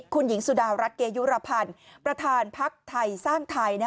คุณหญิงสุดารัฐเกยุรพันธ์ประธานพักไทยสร้างไทย